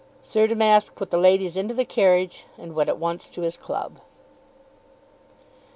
Sir Damask put the ladies into the carriage and went at once to his club.